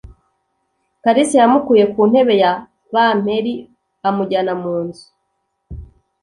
Kalisa yamukuye ku ntebe ya bamperi amujyana mu nzu.